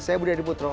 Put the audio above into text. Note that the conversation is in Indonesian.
saya budi adiputro